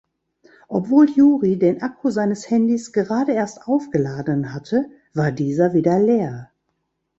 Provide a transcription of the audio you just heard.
Obwohl Juri den Akku seines Handys gerade erst aufgeladen hatte, war dieser wieder leer.